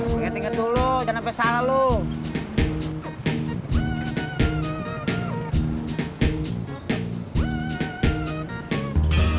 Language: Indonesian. aku ngetik ketulu jangan sampai salah lo